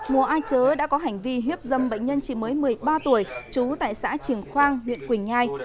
mùa a chớ đã có hành vi hiếp dâm bệnh nhân chỉ mới một mươi ba tuổi trú tại xã trường khoang huyện quỳnh nhai